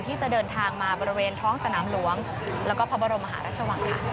ที่จะเดินทางมาบริเวณท้องสนามหลวงแล้วก็พระบรมมหาราชวังค่ะ